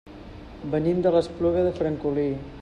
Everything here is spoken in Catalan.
Venim de l'Espluga de Francolí.